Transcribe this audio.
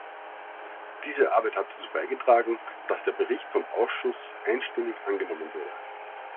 Diese Arbeit hat dazu beigetragen, dass der Bericht vom Ausschuss einstimmig angenommen wurde.